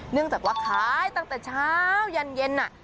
เนื่องจากว่าขายตั้งแต่เช้ายันเย็น